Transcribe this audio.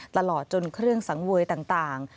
ตลอดจนเครื่องสังเวยต่าง